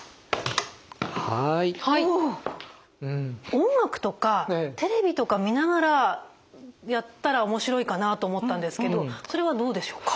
音楽とかテレビとか見ながらやったら面白いかなと思ったんですけどそれはどうでしょうか。